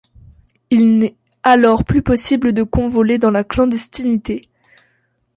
Il n'est alors plus possible de convoler dans la clandestinité.